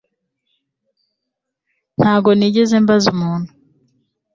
Ntabwo nigeze mbaza umuntu